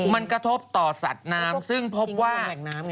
มันกระทบต่อสัตว์น้ำซึ่งพบว่า